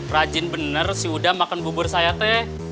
rajin bener sih udah makan bubur saya teh